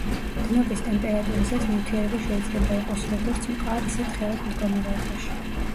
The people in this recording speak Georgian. დნობის ტემპერატურისას ნივთიერება შეიძლება იყოს როგორც მყარ ისე თხევად მდგომარეობაში.